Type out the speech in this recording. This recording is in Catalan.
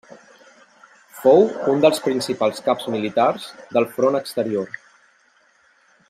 Fou un dels principals caps militars del Front Exterior.